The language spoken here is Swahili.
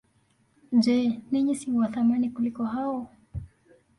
Je, ninyi si wa thamani kuliko hao?